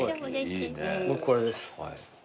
僕これです。